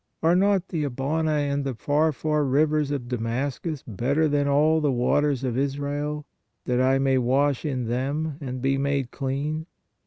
Are not the Abana and the Pharphar, rivers of Damascus, better than all the waters of Israel, that I may wash in them, and be made clean?